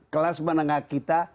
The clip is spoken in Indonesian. kelas menengah kita